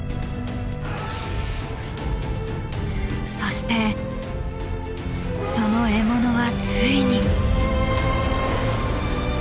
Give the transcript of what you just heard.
そしてその獲物はついに。